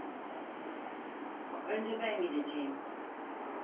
Önce ben gideceğim.